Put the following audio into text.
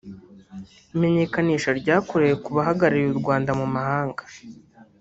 Imenyekanisha ryakorewe ku bahagarariye u Rwanda mu mahanga